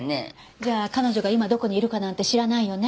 じゃあ彼女が今どこにいるかなんて知らないよね？